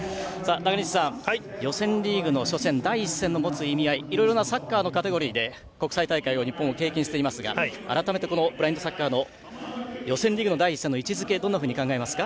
中西さん、予選リーグの初戦いろいろなサッカーのカテゴリーで国際大会を日本は経験していますが改めてブラインドサッカーの予選リーグの第１戦の位置づけどうご覧になりますか。